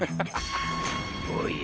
［おや？